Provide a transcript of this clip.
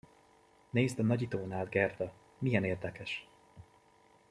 Nézd a nagyítón át, Gerda, milyen érdekes!